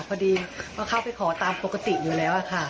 พอดีก็เข้าไปขอตามปกติอยู่แล้วค่ะ